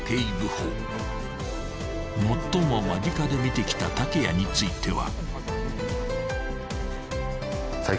［最も間近で見てきた竹谷については］